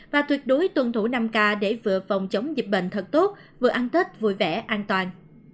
và tuyệt đối tuân thủ năm k để vừa phòng chống dịch bệnh thật tốt vừa ăn tết vui vẻ an toàn